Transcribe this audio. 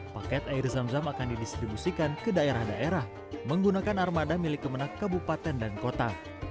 paket air zam zam akan didistribusikan ke daerah daerah menggunakan armada milik kemenang kabupaten dan kota